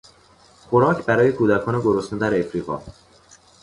خوراک برای کودکان گرسنه در افریقا